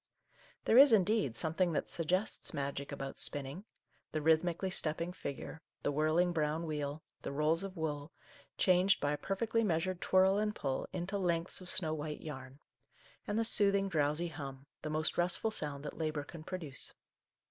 There is, indeed, something that suggests magic about spinning, — the rhythmi cally stepping figure, the whirling brown wheel, the rolls of wool, changed by a perfectly meas ured twirl and pull into lengths of snow white yarn, and the soothing, drowsy hum, the most restful sound that labour can pro duce.